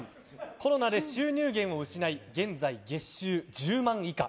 コロナで収入源を失い現在、月収１０万円以下。